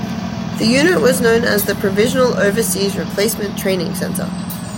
The unit was known as the Provisional Overseas Replacement Training Center.